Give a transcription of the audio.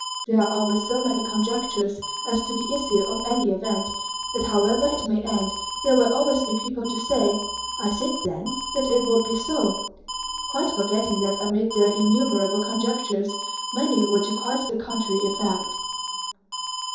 There are always so many conjectures as to the issue of any event that however it may end there will always be people to say: "I said then that it would be so," quite forgetting that amid their innumerable conjectures many were to quite the contrary effect.